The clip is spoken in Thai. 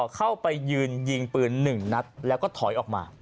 เข้าไปยืนยิงปืน๑นัดแล้วก็ถอยออกมา